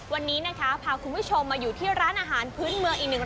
วันนี้นะคะพาคุณผู้ชมมาอยู่ที่ร้านอาหารพื้นเมืองอีกหนึ่ง